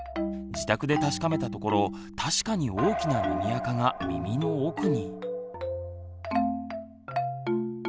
自宅で確かめたところ確かに大きな耳あかが耳の奥に。